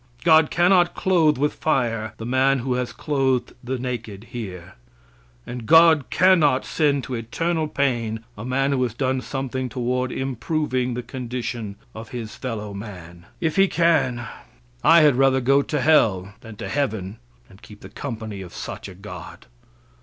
God cannot clothe with fire the man who has clothed the naked here; and God cannot send to eternal pain a man who has done something toward improving the condition of his fellow man. If he can, I had rather go to hell than to heaven and keep the company of such a God.